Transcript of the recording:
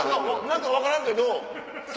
何か分からんけど。